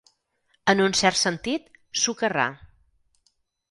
En un cert sentit, socarrar.